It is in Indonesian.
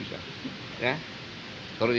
lalu berangkat bagaimana